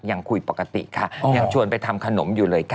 ยังคุยปกติค่ะยังชวนไปทำขนมอยู่เลยค่ะ